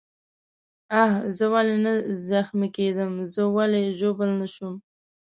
آخ، زه ولې نه زخمي کېدم؟ زه ولې ژوبل نه شوم؟